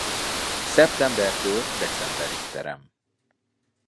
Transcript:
Szeptembertől decemberig terem.